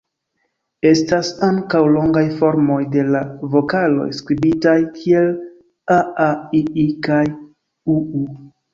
Estas ankaŭ longaj formoj de la vokaloj, skribitaj kiel 'aa', 'ii' kaj 'uu'.